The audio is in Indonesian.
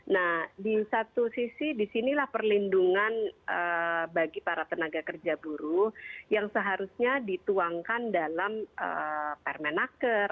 nah di satu sisi disinilah perlindungan bagi para tenaga kerja buruh yang seharusnya dituangkan dalam permenaker